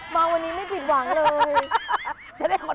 ดีอะพี่แม่